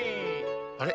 あれ？